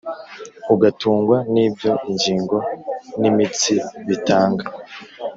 ugatungwa n’ibyo ingingo n’imitsi bitanga